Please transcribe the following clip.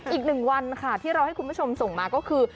อีกหนึ่งวันค่ะที่เราให้คุณผู้ชมส่งมาก็คือ